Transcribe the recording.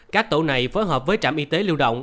các tổ này phối hợp với trạm y tế lưu động